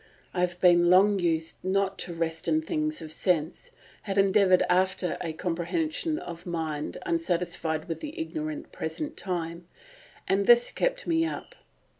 I had been long used not to rest in things of sense, had endeavoured after a comprehension of mind unsatisfied with the ignorant present time; and this kept me up.